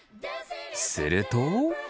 すると。